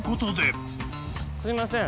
あっすいません。